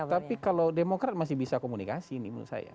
tapi kalau demokrat masih bisa komunikasi